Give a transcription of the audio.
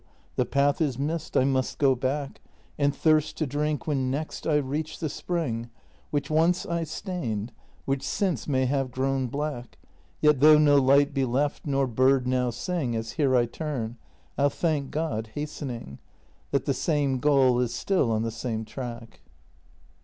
The path is missed, I must go back, And thirst to drink when next I reach the spring Which once I stained, which since may have grown black. Yet though no light be left nor bird now sing As here I turn, I'll thank God, hastening. That the same goal is still on the same track.